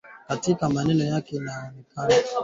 Katika maeneo ambapo ugonjwa umezoeleka